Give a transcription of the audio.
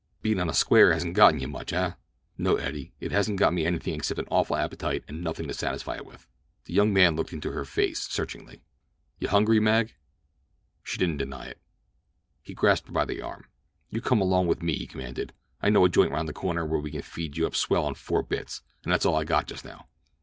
"Bein' on the square hasn't got you much, eh?" "No, Eddie; it hasn't got me anything except an awful appetite and nothing to satisfy it with." The young man looked into her face searchingly. "You hungry, Mag!" She didn't deny it. He grasped her by the arm. "You come along with me," he commanded. "I know a joint round the corner where we can feed up swell on four bits, and that's all I got just now."